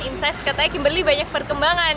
insights katanya kimberly banyak perkembangan